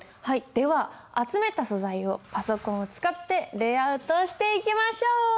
はいでは集めた素材をパソコンを使ってレイアウトしていきましょう！